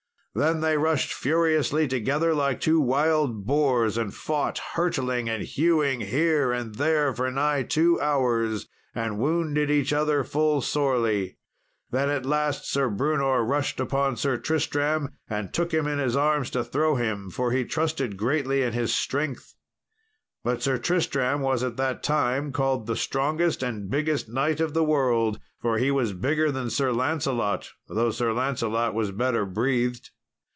Then they rushed furiously together like two wild boars, and fought hurtling and hewing here and there for nigh two hours, and wounded each other full sorely. Then at the last Sir Brewnor rushed upon Sir Tristram and took him in his arms to throw him, for he trusted greatly in his strength. But Sir Tristram was at that time called the strongest and biggest knight of the world; for he was bigger than Sir Lancelot, though Sir Lancelot was better breathed.